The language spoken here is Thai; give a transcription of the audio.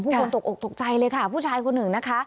คนตกอกตกใจเลยค่ะผู้ชายคนหนึ่งนะคะ